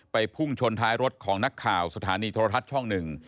พุ่งชนท้ายรถของนักข่าวสถานีโทรทัศน์ช่องหนึ่ง